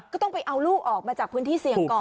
ก็ต้องไปเอาลูกออกมาจากพื้นที่เสี่ยงก่อน